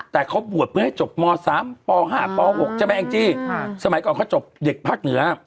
แต่เขาบวชเพื่อให้จบม๓ป๕ป๖ใช่ไหมแองจี้สมัยก่อนเขาจบเด็กภาคเหนือ